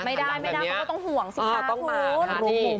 ไม่ได้ไม่ได้เขาก็ต้องห่วงสิคะคุณ